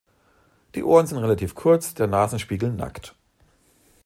Die Ohren sind relativ kurz, der Nasenspiegel nackt.